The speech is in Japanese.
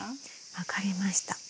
分かりました。